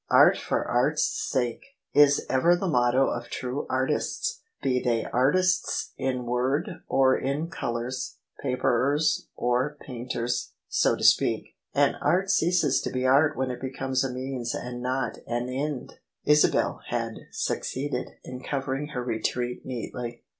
* Art for art's sake ' is ever the motto of true artists, be they artists in words or in col ours — ^paperers or painters, so to speak : and art ceases to be art when it becomes a means and not an end." Isabel had succeeded in covering her retreat neatly.